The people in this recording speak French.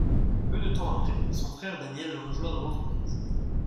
Peu de temps après, son frère Daniel le rejoint dans l'entreprise.